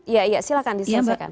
iya iya silahkan disampaikan